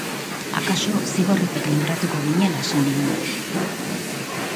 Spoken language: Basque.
Akaso zigorretik libratuko ginela esan nion.